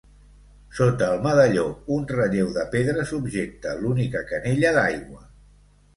Sota el medalló, un relleu de pedra subjecta l'única canella d'aigua.